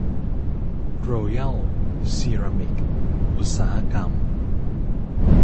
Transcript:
โรแยล ซีรามิค อุตสาหกรรม